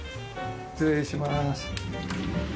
失礼します。